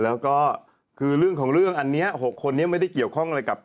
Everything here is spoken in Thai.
แล้วก็คือเรื่องของเรื่องอันนี้๖คนนี้ไม่ได้เกี่ยวข้องอะไรกับ